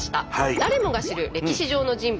誰もが知る歴史上の人物